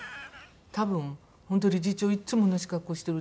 多分本当理事長いつも同じ格好してるって。